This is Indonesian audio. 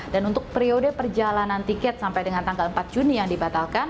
dan untuk periode perjalanan tiket sampai dengan tanggal empat juni yang dibatalkan